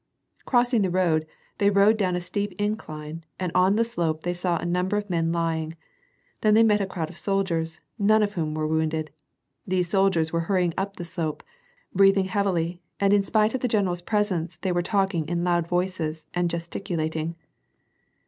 Crossing the road, they rode down a steep incline and on the slope they saw a number of men lying; then they met a crowd of soldiers, none of whom were wounded. These soldiers were hurrying up the slope, breathing heavily and in spite of the general's presence they were talking in loud voices and gesticulating.